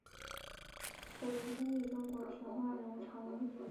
小行星以中国神话人物嫦娥命名。